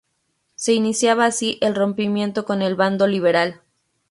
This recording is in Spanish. Se iniciaba así el rompimiento con el bando liberal.